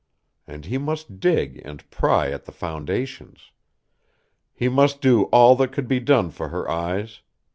And he must dig and pry at the foundations. He must do all that could be done for her eyes.